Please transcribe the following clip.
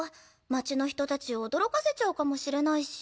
町の人たちを驚かせちゃうかもしれないし。